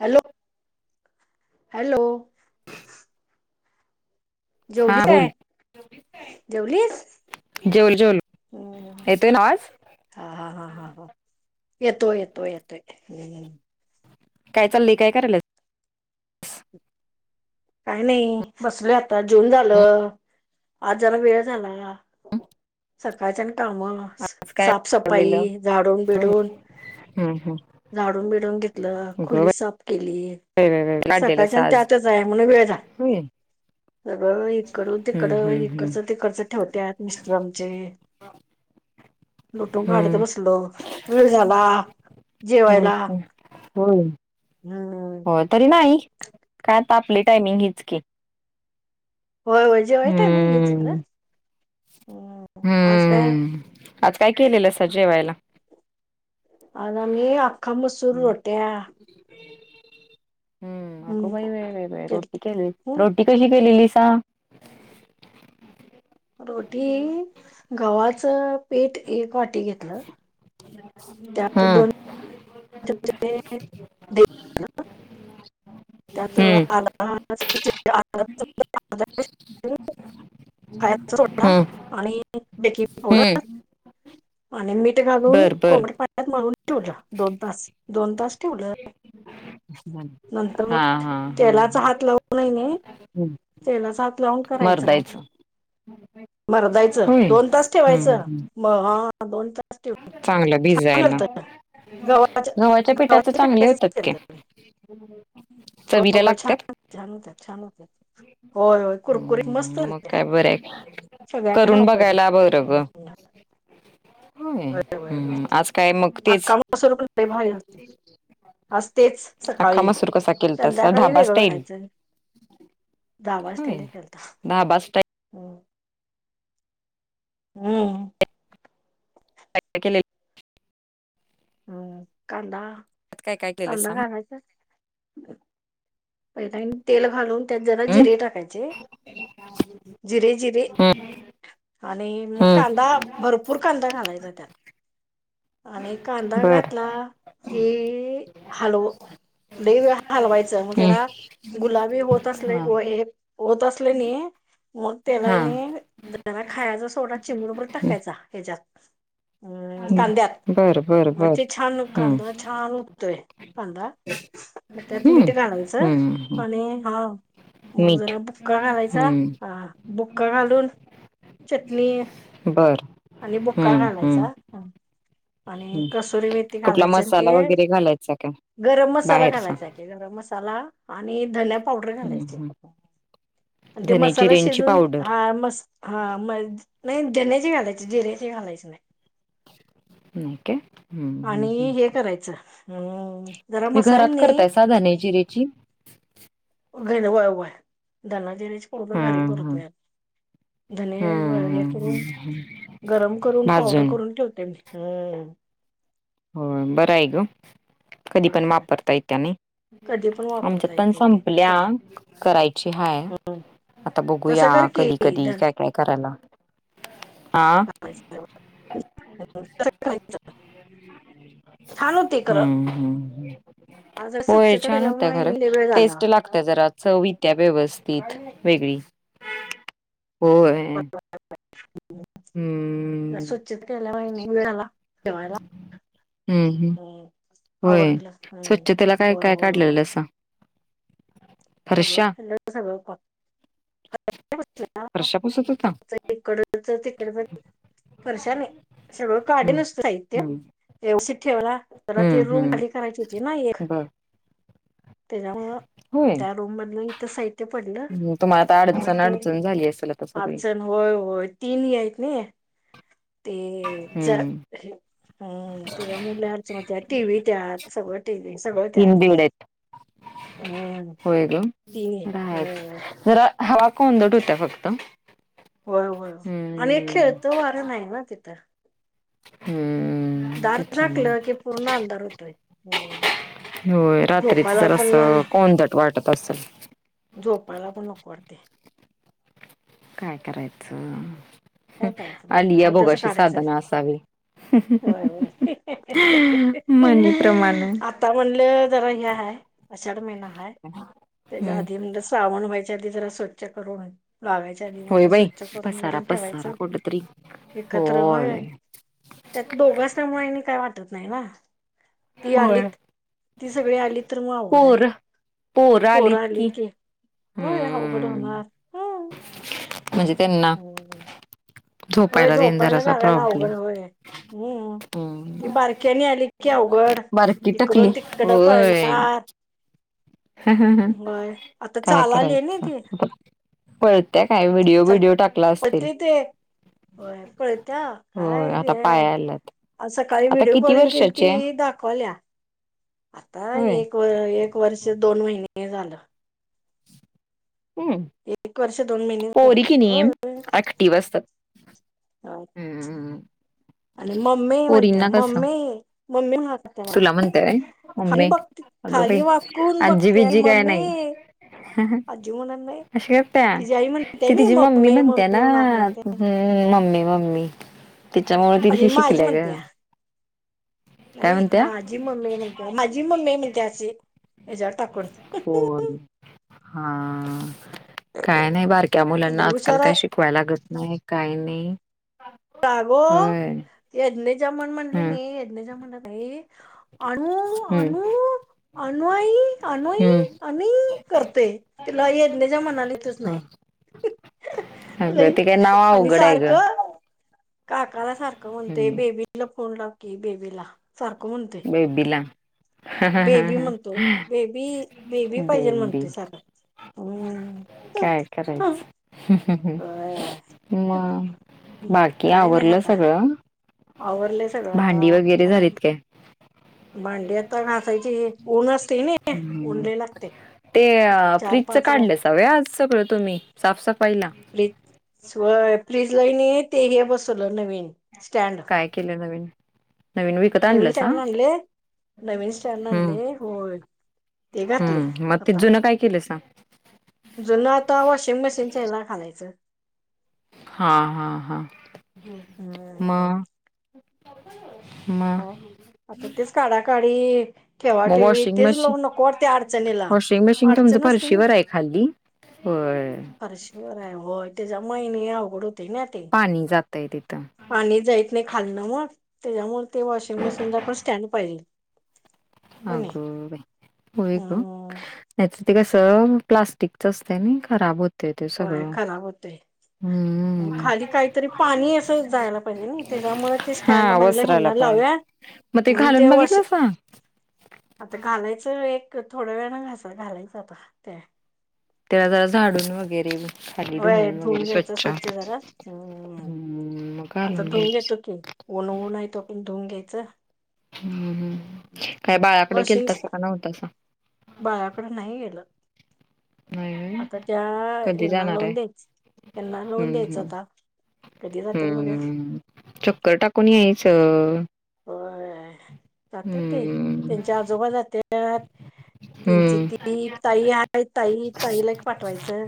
Hello. Hello. जेवली काय? जेवलीस जेवले. जेवले. येतोय ना आवाज? हा, हा, हा, हा, हा. येतो येतोय येतोय हम. काय चाललंय? काय करायला? काय नाही बसलोय आता जेवून झालं. आज जरा वेळ झाला. सकाळचं कामं आज काय साफ बनवलेलं सफाई झाडून बिडून. हम्म, हम्म. झाडून बिडून घेतलं. गं खोली बाई, साफ केली. बाई, बाई, बाई. काढलेलं सकाळच्यान आणि साज त्यातच आहे. म्हणून वेळ झाला होय सगळं इकड तिकड. हम्म, हम्म, हम्म. इकडचं तिकडचं ठेवत्यात मिस्टर आमचे. लुटून काढत हम्म. बसलो. वेळ झाला होय. जेवायला. का? होय. हम. होय तरी नाही. काय आपली टायमिंग हीच की. होय होय जेवायचं टायमिंग हेच खरं हम्म. आज काय? हम्म. आज काय केललसा अस जेवायला. आज आम्ही अख्ख्या मसूर हम्म. रोट्या.. हम्म! अगं बाई, बाई, बाई रोटी केलत्या केली. हम्म रोटी कशी केलेली सां. रोटी गव्हाच पीठ एक वाटी घेतलं. त्यात हम.. दोन चमचे दही त्यात आत [inaudible] खायचा सोडा हम्म. आणि बेकिंग पावडर. हम्म. आणि मीठ घालून बर बर कोमट पाण्यात मळून ठेवलं दोन.. बास दोन तास ठेवलं. असं झालं. नंतर हा मग हा हा तेलाचा हम्म. हात लावूनय मी तेलाचा हात लावून करायचं मग. मरदायचं मरदायचं होय दोन तास हम्म ठेवायचं हम्म. मग... चांगलं भिजायला. होत गव्हाच्या पिठाच चांगले पिठाचच होतात की. केलत मी चवीला होय लागतात. छान छान होत्यात. होय होय कुरकुरी मस्त- हम्म मग झालत्या काय बरं आहे. सगळ्यांना करून आवडल्या बघायला बर ग. होय होय होय हम्म आज काय मग तेच आख्या मसुर पण लई भारी होतोय. आज तेच अख्खा सकाळी, मसूर कसा केलतासा संध्याकाळी धाबा वेगळं स्टाईल करायचं. आवाज होय त्यांनी देलता धाबा हम्म.. हम्.. काय काय केलंय. हम कांदा..... काय काय केलेलं कांदा सांग घालायचा. पहिले तेल घालून त्यात जरा जिरे टाकायचे. जिरे जिरे आणि मग कांदा. भरपूर कांदा घालायचा त्यात. आणि कांदा बर घातला कि हलव. लय वेळ हलवायचं मग हम्म. जरा गुलाबी होत असले हा की नाय. मग त्याला हा. हने की नाय जरा खायचा सोडा चिमूटभर हम्म. टाकायचा त्याच्यात. हम्म कांद्यात बर बर मग बर ते छान हम्म कांदा छान - होतय. कांदा मग त्यात मीठ हम्म घालायचं हम्म हम्म आणि हा- मग मीठ जरा बुक्का घालायचा हा बुक्का घालून- चटणी बरं. आणि बुक्का घालायचा. आणि कसुरी मेथी कुठला घालायच आणि मसाला ते वगैरे घालायचा का गरम मसाला बाहेरचा घालायचा आहे. गरम मसाला आणि धने पावडर हम्म घालायची. हम्म आणि ते धने मसाला जिऱ्यांची शिजून पावडर हा मस्त. हा मग, नाही धान्याचे घालायची, जिऱ्याचे घालायची नाही. के हम्म आणि हम् हे ह करायचं हम्म जरा तुमी घरात मसाल्याने करतयासा धन्या, जिऱ्याची, - घेन वाय वय धनाजिरीची पूर्ण घरी हम्म करतोय हम्म धने हे हम्म करून हम्म गरम करून पावडर भाजून करून ठेवते मी. हम्म हो बरं आहे ग, कधी पण बरोबर वापरताय येते नाही. कधी पण वापरता आमच्यात पण येते संपल्या सगळं करायची हाय. हम्म आता तसं बघूया कर की कधी कधी काय काय करायला लागतंय. य [unintelligible] [inaudible] हम्म् आज होय स्वच्छता छान होत्या केल्यामुळे खर मी लय वेळ झाला. टेस्ट लाग त्या जरा चव येत्या व्यवस्थित वेगळी होय. [inaudible] हम्म स्वच्छित केल्या वहिनीला ठेवायला. हम् हम्म. होय आवरलं हम्म. स्वच्छतेला काय होय काय होय होय काढलेलंसा? सगळ फरशा? [unintelligible] सगळ फरशा [unintelligible] पुसत होता? फक्त इकडच तिकडच फर्शानई सगळं काढ हं, नसतं साहित्य हं, एवढीशी ठेवला जरा ते हं, रूम हं. खाली करायची होती ना एक. बरं. तेच्यामूळ होय. रुम बदली त साहित्य पडलं हम्म तुम्हाला आता मग अडचण ते अडचण झाली असेल आता सगळी. अडचण होय होय तीन आहेत नई ते जर हं. हम्म तेजामुळ लय अडचन होतिया टी व्ही त्यात सगळं टी व्ही सगळं त्यात बेड आहेत. हम्म होय गं. तिन राहायचं. व्हय जरा हवा कोंदट होतिया फक्त होय होय आणि हं, खेळतं वारं नाही ना तिथं. हम दार झाकलं की पूर्ण अंधार होतोय. होय रात्रीच झोपायला जर पण असं कोंदट वाटत असल. जोपायला पण नको वाटतंय. काय करायचं काय करायचं आलीिया भोगाशी साधना असावी. होयय मणीप्रमाणं. आता म्हणलं जरा हे आहय. अशाढ महिना हाय त्याच्या हं. आधी म्हणजे श्रावण व्हायच्या आधी जरा स्वच्छ करून लागायच्या आधी होय म्हणजे बाई स्वच्छ करून पसारा घरून पसारा ठेवायचं कुठ तरी एकत्र होय. त्यात दोघ असल्यामुळे काय वाटत नाही ना ती होय. आलीत. ती सगळी आली तर मग आवड आहे पोर पोरं आलीत की होय अवघड हम्म होणार. हं. म्हणजे त्यांना हम्म होय झोपायला देईन जराचा प्रॉब्लेम. हम. ती हम्म बारक्यानी आली इतकी अवघड बारकी टकली इकडून तिकडं पळणार. ह ह ह होय आता काय चालाली आहे ना करायच? ती पळतीया काय व्हिडिओ चाल ब्हडिओ टाकला असतील. पळते ते होय पळतिया काय होय आता हे. पाया आल्यात आ सकाळी आता व्हिडिओ किती कॉलिंग केली वर्षाची आहे ती दाखवल्या आता होय एक एक वर्ष दोन महिने झालं. हम एक वर्ष दोन महिने पोरी झालं कि नय हो ऍक्टिव्ह असतात. [inaudible] हम्म आणि मम्मी म्हणत्या पोरींना कसं मम्मी मम्मी म्ह मला तुला म्हणते व्हय मी मम्मी बघत अगं खाली बाई वाकून बघतिया मम्मे हा ह. आजी म्हणणार नाई. अशी करतीया तिची मम्मी म्हणते ना म्हणून हाक मारते ह् मम्मी मम्मी तिच्यामुळे आणि तििशी माझी शिकल्या ग म्हणत्या काय म्हणत्या? जि ममे म्हनतिया त्या माझिममे म्ह त्या् अशी. याच्यावर टाकून हो हा. काय नाही, बारक्या मुलांना लय आजकाल हुशार काय आहे शिकवाय लागत नाही काय नाही. रागो होय एडन जमान म्हणले न हम्म एदन जमणा भाई. आनु हम्म आनुक आनु आई आणू आई हम्म अनि करतंय. तिला यदनेच्या मनाला यीतच नाही. आ ग लई ते काय नाव? आणि अवघड हाय ग. सारखं काकाला सारखं म्हणतय हम्म बेबीला फोन लाव की, बेबीला सारखं म्हणतय बेबीला म्हणतो बेबी बेबी [unintelligible] पाहिजे बेबी म्हणते सारखं हम्म काय करायचं? मग बाकी आवरलं सगळं? आवरलय. भांडी वगैरे झालीत काय? भांड्यात ता घासायची, ऊन असतय नी ऊन हम्म. लई लागतय, चार पाच ला नव्हे आज सगळं तुम्ही साफसफाईला फ्रीज व्हय फ्रीजला ना, कणी ते बसवलं नवीन स्टँड काय केलं नवीन? नवीन विकत नवीन आणल्यासा स्टँड आणले नवीन स्टँड हम्म. आणले होय ते घातले हम् मग ते जुनं काय केल्यासा? जुन आता वॉशिंग मशीनच्या हेला घा. हा हा हा हम्म म. म. काय आता तेच काढाकाढी, मग ठेवाठेवी वॉशिंग तेच लावून नको, वाटतय अडचणीला पिंप तुमच अडचण असते ना फरशीवर हाय खाल्ली? व्हय - व्हय व्हय तेजामुळे नाई अवघड होतय ना. ते पाणी जातय तिथं. पाणी जाईत नाही खालन ओ मग तेच्यामुळ ते वॉशिंग मशीनला पण स्टँड पाहिजे. हो आग नाही बाई होय ग. हम्म नाहीच ते कस प्लास्टिकच असतंय, ना खराब होतय. होय खराब होतय. होय. आणि खाली काहीतरी पाणी असं जायला पाहिजे, नाई त्याच्यामुळे ते स्टँड हा म्हणलं वस्त्राला ह्यांना पण. लावूया. मग ते म्हणून घालून वॉश बघितल्यासा आता घालायचं एक थोड्या वेळान, घासा घालायचं आता ते त्याला जरा झाडून वगैरे व्हय धुवून घ्यायचं, स्वच्छ जरा ह् हम्म मग आता घालून धुवून घ्यायच घेतो की, ऊन ऊन हाय तोपर्यंत धुऊन घ्यायचं. हम्म हम् काय बाळाकड गेलत्यासा का नव्हतासा? बाळाकडे नाही गेलं. नाही व्हय आता त्या कधी हेंना जाणार लावून आहे द्यायच, हेंना लावून हम्म द्यायच हम्म आता कधी जात्यात बघूया? हम्म चक्कर टाकून यायच अ अ. व्हय जात्यात ते हम्म त्यांचे आजोबा जात्यात तेंची हम्म ती ताई हाय ताई ताईला एक पाठवायचं.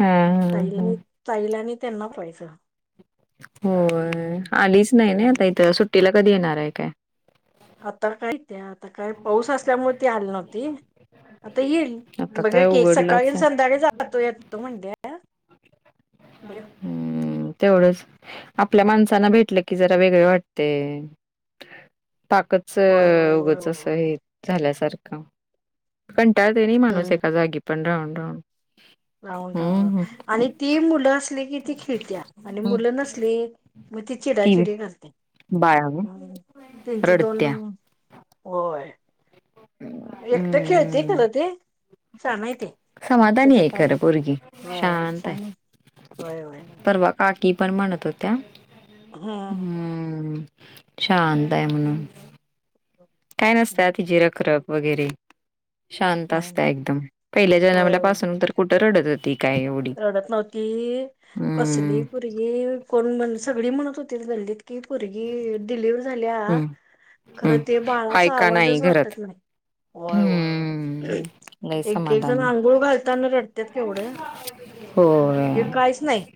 हा. हा हा ताईल ताईलाने त्यांना पाठवायच. होय आलीच नाही नाई आता, इथं सुट्टीला कधी येणार आहे काय? आता काय येतीया? आता काय पाऊस असल्यामुळे ती आली नव्हती, आता ईल आता बघुया काय की उघडलाच सकाळी आहे संध्याकाळी जातो येतो म्हटल्या हम्म तेवढंच आपल्या माणसांना भेटलं की, जरा वेगळे वाटतय. ताकच होय होय होय उगंच होय असं होय आहे. झाल्यासारख कंटाळते नाही. माणूस हम्म एका जागी पण राहून राहून राहून राहून हम्म आणि ती मुलं की ती खेळतीया आणि हम्म मुलं नसली मग ती चिडा चिडी घालते बाळा गं हम् तीनची दोन रडत्या. होय. एकटं खेळते हम्म खरं ते शान हाय ते समाधानी त्याच आहे काय नाही खरं पोरगी. वय वाय शांत छान आहे वय वयय परवा काकी पण म्हणत होत्या. हा हम्म शांत आहे म्हणून काय नसत्या तिजि रखरख वगैरे शांत नाही असत नाही. एकदम पहिल्या जन्माला होय होय पासून तर कुठं रडत होती. काय एवढी रडत नव्हती कसली हम्म पोरगी कोण म्हण सगळी म्हणत होती गलीत की पुरगी डिलिव्हरी झाल्या हम्म खरं हम्म. ते हाय बाळाचा का नाही आवाजच घरात वाटत नाही. होय होय होय हम्म लय एक एक जण समाधानी आंघोळ घालताना रडतात केवढे होय हे काहीच नाही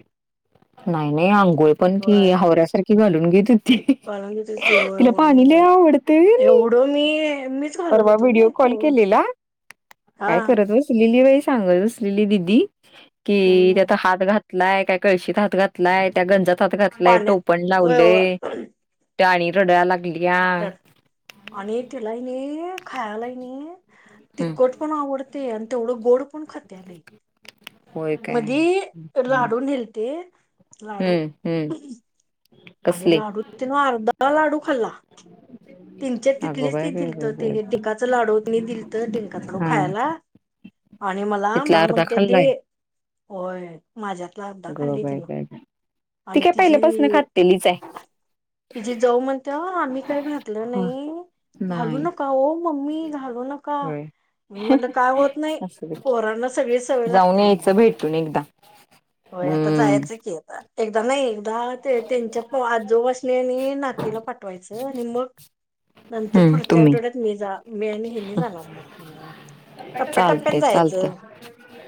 नाही नाही आंघोळ पण ती होय हावऱ्यासारखी घालून घेत [unintelligible] वाळून घेते ते होय तिला होय पाणी लय होय आवडत होय नी. [unintelligible] परवा व्हिडिओ ना कॉल चोळून केलेला काय हा करत बसलेली बाई सांगत बसलेली दिदी कि हम्म त्याचा हात घातलाय काय कळशीत हात घातलाय त्या गंजात हात घातला लय पाण्यात टोपण होय लावलेय होय ती आणि रडाय लागली. रड आणि तिला कनि खायला कनि हम्म तिखट पण आवडते आणि तेवढं बोड पण खात्या लय होय काय मधि हम्म लाडू न्हेलती लाडू हम्म आणि कसले लाडू तिन अर्धा लाडू खाल्ला तीनच्या अगो तिथलीच बाय ती बाय दिलत बाय बाय बाय. ते डिंकाचा लाडू दिलत डिंकाचा लाडू हा खायला. आणि मला तिथला अर्धा म्हणते दे खाल्लाय होय माझ्यातला अर्धा गो खाल्ली बाय तिन बाय बाय. ती आणि काय पहिल्यापासून तिजी.... खातेलीच आहे. तिजी जाऊ म्हणत्या आम्ही काय घात नाही घालू नाही नका हो मम्मी घालू नका होय मी म्हटलं काय होत नाही. असू दे. पोरांना सगळी सवय जाऊन लागते म्हटलं यायचं भेटून एकदा होय आता हम्म जायचं की आता, एकदा नाही एकदा ते त्यांच्या आजोबासनी आणि नातीला पाट पाठवायच आणि मग नंतर हम्म पुढच्या तुम्ही आठवड्यात मी जा मी आणि हेंनी जाणार मग टप्प्या टप्प्यान चालते चालते जायचं,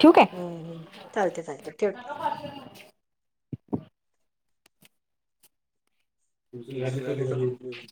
ठेवू काय? हम्म हम् चालत चालते ठेव ठेव. जी [unintelligible]